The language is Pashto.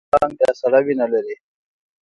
کبونه او ماران بیا سړه وینه لري